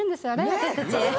私たち。